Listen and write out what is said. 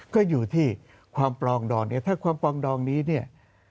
ก็อยู่ที่ความปลองดองเนี่ยถ้าความปลองดองนี้เนี่ย